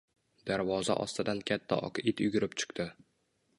Darvoza ostidan katta oq it yugurib chiqdi